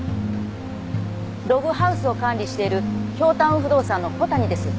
ログハウスを管理している京タウン不動産の小谷です。